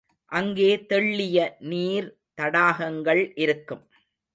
அங்கே தெள்ளிய நீர் தடாகங்கள் இருக்கும்.